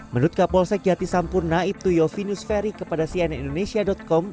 menurut kapol sek yati sampurna ibtuyo finus feri kepada cnn indonesia com